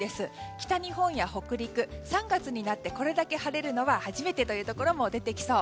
北日本や北陸、３月になってこれだけ晴れるのは初めてというところも出てきそう。